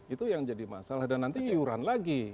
itu yang jadi masalah dan nanti iuran lagi